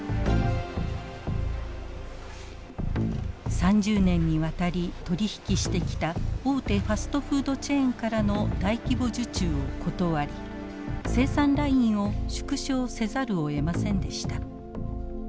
３０年にわたり取り引きしてきた大手ファストフードチェーンからの大規模受注を断り生産ラインを縮小せざるをえませんでした。